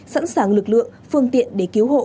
sẵn sàng lực lượng phương tiện để cứu hộ